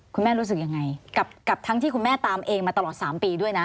รู้สึกยังไงกับทั้งที่คุณแม่ตามเองมาตลอด๓ปีด้วยนะ